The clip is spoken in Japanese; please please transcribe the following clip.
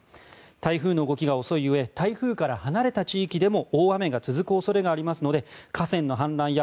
台風の動きが遅いうえ台風から離れた地域でも大雨が続く恐れがありますので河川の氾濫や